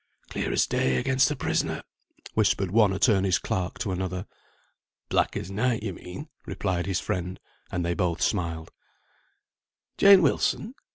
"Clear as day against the prisoner," whispered one attorney's clerk to another. "Black as night, you mean," replied his friend; and they both smiled. "Jane Wilson!